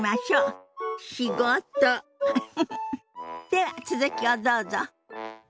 では続きをどうぞ。